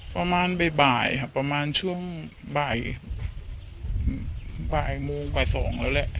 ประมาณบ่ายครับประมาณช่วงบ่ายบ่ายโมงกว่าสองแล้วแหละ